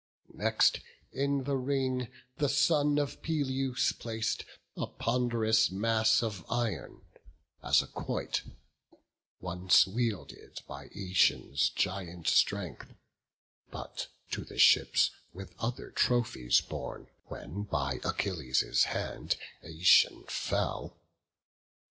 Next in the ring the son of Peleus plac'd A pond'rous mass of iron, as a quoit Once wielded by Eetion's giant strength, But to the ships with other trophies borne, When by Achilles' hand Eetion fell.